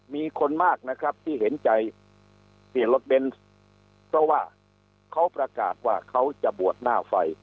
มีคนมากนะครับที่เห็นใจเปลี่ยนรถเบนส์เพราะว่าเขาประกาศว่าเขาจะบวชหน้าไฟ